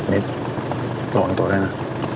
มิตรรออีกต่อได้นะ